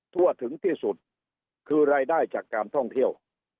ทั่วถึงที่สุดคือรายได้จากการท่องเที่ยว